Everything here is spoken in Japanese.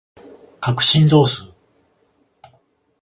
角振動数